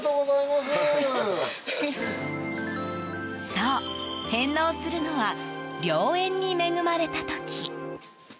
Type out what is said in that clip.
そう、返納するのは良縁に恵まれた時。